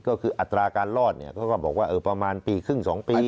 ก็คืออัตราการรอดเนี่ยเขาก็บอกว่าประมาณปีครึ่ง๒ปี